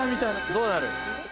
どうなる？